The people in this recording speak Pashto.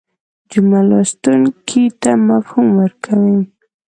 جمله لوستونکي ته مفهوم ورکوي.